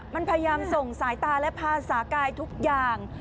มันพยายามส่งสายตาและภาษากายทุกอย่าง